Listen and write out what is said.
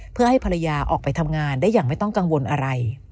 เพื่อให้ภรรยาออกไปทำงานได้อย่างไม่ต้องกังวลอะไร